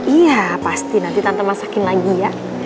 iya pasti nanti tanpa masakin lagi ya